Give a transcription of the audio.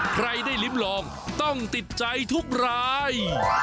ใครได้ลิ้มลองต้องติดใจทุกราย